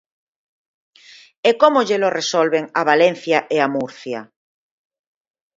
¿E como llelo resolven a Valencia e a Murcia?